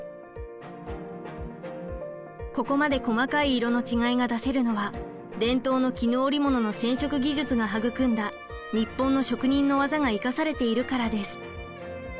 ここまで細かい色の違いが出せるのは伝統の絹織物の染色技術が育んだ日本の職人の技が生かされているからです。